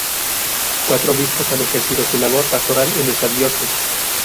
Cuatro obispos han ejercido su labor pastoral en esta Diócesis.